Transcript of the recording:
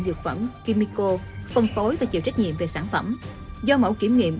dược phẩm kimico phân phối và chịu trách nhiệm về sản phẩm do mẫu kiểm nghiệm